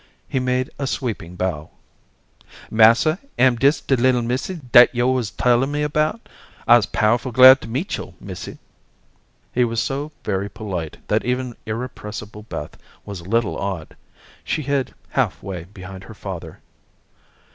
He made a sweeping bow. "Massa, am dis de little missy dat yo' wuz tellin' 'bout? I'se powerful glad to meet yo', missy." He was so very polite that even irrepressible Beth was a little awed. She hid halfway behind her father.